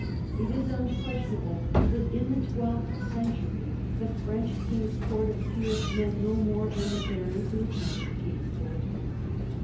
It is unquestionable that in the twelfth century the French king's court of peers meant no more than the barons who attended the king's court.